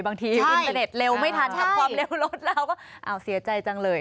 บางทีอินเตอร์เน็ตเร็วไม่ทันทำความเร็วรถแล้วก็อ้าวเสียใจจังเลย